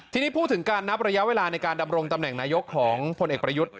ทีนี้พูดถึงการนับระยะเวลาในการดำรงตำแหน่งนายกของพลเอกประยุทธ์